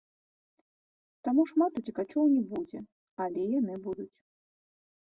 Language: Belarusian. Таму шмат уцекачоў не будзе, але яны будуць.